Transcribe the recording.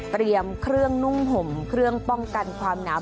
เตรียมเครื่องนุ่งห่มเครื่องป้องกันความหนาว